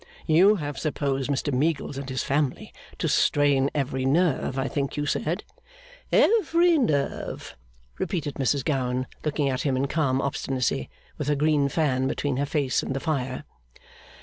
You have supposed Mr Meagles and his family to strain every nerve, I think you said ' 'Every nerve,' repeated Mrs Gowan, looking at him in calm obstinacy, with her green fan between her face and the fire.